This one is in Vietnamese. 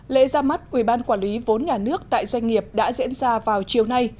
lễ ra mắt ủy ban quản lý vốn nhà nước tại doanh nghiệp đã diễn ra vào chiều nay